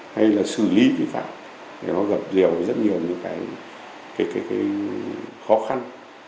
hay là xử lý vi phạm thì nó gặp nhiều rất nhiều những cái khó khăn